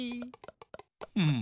うん。